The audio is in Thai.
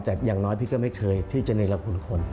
แต่อย่างน้อยพี่ก็ไม่เคยที่จะเนรคุณคน